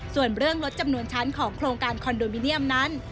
ส่วนเรื่องลดจำนวนชั้นของโครงการคอนโดมิเนียมนั้น